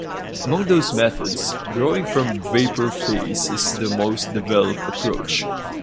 Among those methods, growing from vapor phase is the most developed approach.